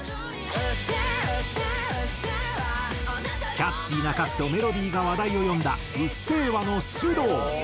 キャッチーな歌詞とメロディーが話題を呼んだ『うっせぇわ』のｓｙｕｄｏｕ。